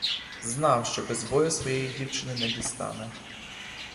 Знав, що без бою своєї дівчини не дістане.